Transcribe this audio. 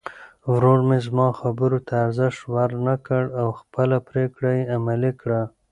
ورور مې زما خبرو ته ارزښت ورنه کړ او خپله پرېکړه یې عملي کړه.